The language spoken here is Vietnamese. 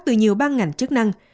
từ nhiều ban ngành chức năng